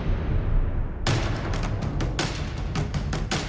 หม่อมราชวงศ์จตุมงคลโสนกุล